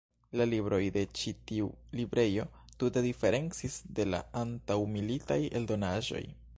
La libroj de ĉi tiu librejo tute diferencis de la antaŭmilitaj eldonaĵoj.